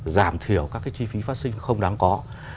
giảm thiểu các cái chi phí phát sinh không đáng có